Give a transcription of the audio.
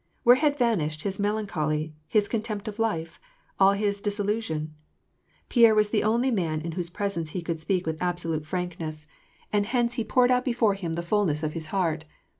Where had vanished his melancholy, his contempt of life, all his disillusion ? Pierre was the only man in whose presence he could speak with ^bsQlute f rwkuess, and heoce WAR AND PEACE. 227 he poured out before him the fulness of his heart.